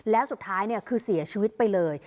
แล้วสุดท้ายคือเสียชีวิตไปเลย